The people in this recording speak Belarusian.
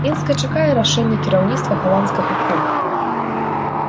Мінск і чакае рашэння кіраўніцтва галандскага клуба.